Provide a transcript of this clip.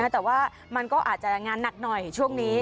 แต่ว่ามันก็อาจจะงานหนักหน่อยช่วงนี้